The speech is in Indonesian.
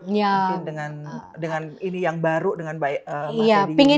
mungkin dengan ini yang baru dengan mbak madi dikus